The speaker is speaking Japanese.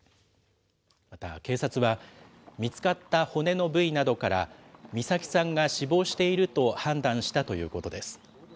また警察は、見つかった骨の部位などから、美咲さんが死亡していると判断したということです。